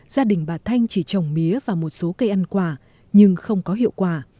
gia đình bà thanh chỉ trồng mía và một số cây ăn quả nhưng không có hiệu quả